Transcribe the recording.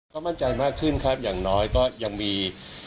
ก็มั่นใจมากขึ้นครับอย่างน้อยก็ยังมี